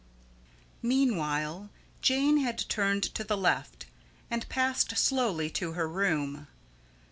Meanwhile Jane had turned to the left and passed slowly to her room.